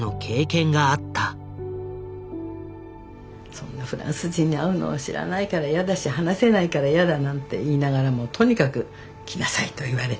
そんなフランス人に会うのは知らないから嫌だし話せないから嫌だなんて言いながらもとにかく来なさいと言われて。